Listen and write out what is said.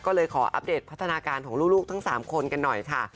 ก็เลยขออัปเดตพัฒนาการของลูกทั้ง๓คนกันหน่อยค่ะ